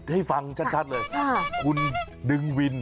ให้ฟังชัดเลยคุณดึงวิน